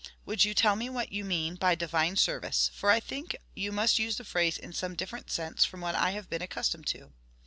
Would you tell me what you mean by divine service, for I think you must use the phrase in some different sense from what I have been accustomed to?"